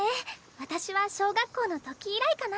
私は小学校のとき以来かな。